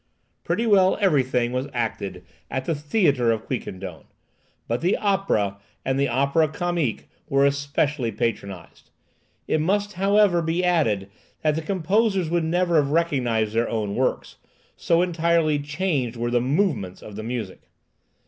Pretty well everything was acted at the theatre of Quiquendone; but the opera and the opera comique were especially patronized. It must, however, be added that the composers would never have recognized their own works, so entirely changed were the "movements" of the music.